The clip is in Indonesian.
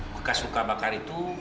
bekas luka bakar itu